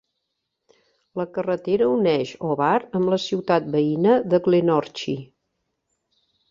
La carretera uneix Hobart amb la ciutat veïna de Glenorchy.